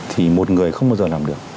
thì một người không bao giờ làm được